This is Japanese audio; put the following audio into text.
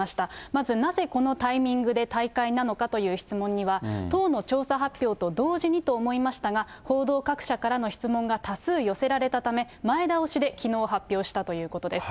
まずなぜこのタイミングで退会なのかという質問には、党の調査発表と同時にと思いましたが、報道各社からの質問が多数寄せられたため、前倒しで、きのう発表したということです。